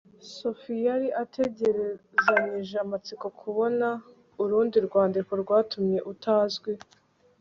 Sophie yari ategerezanyije amatsiko kubona urundi rwandiko rwatumwe utazwi